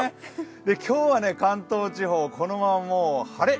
今日は関東地方、このまま晴れ。